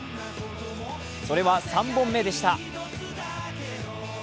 それは３本目でした。